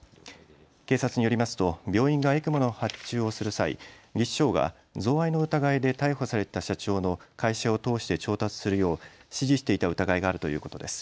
警察によりますと病院がＥＣＭＯの発注をする際に技士長が贈賄の疑いで逮捕された社長の会社を通して調達するよう指示していた疑いがあるということです。